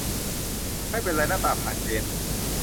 ไม่เป็นไร หน้าตาผ่านเกณฑ์